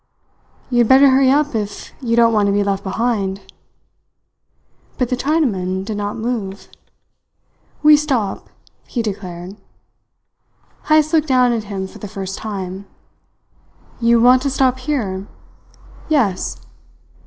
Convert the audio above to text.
"You had better hurry up if you don't want to be left behind." But the Chinaman did not move. "We stop," he declared. Heyst looked down at him for the first time. "You want to stop here?" "Yes."